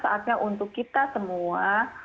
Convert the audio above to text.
saatnya untuk kita semua